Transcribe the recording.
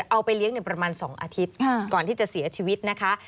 เอาไปเลี้ยงประมาณ๒อาทิตย์ก่อนที่จะเสียชีวิตนะคะ